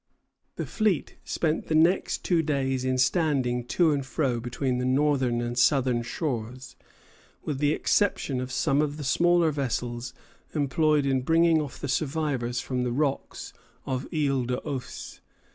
The fleet spent the next two days in standing to and fro between the northern and southern shores, with the exception of some of the smaller vessels employed in bringing off the survivors from the rocks of Isle aux Oeufs.